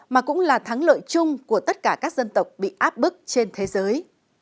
mà cũng là thắng lợi chung của tất cả các dân tộc bị áp bức trên thế giới